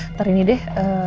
ntar ini deh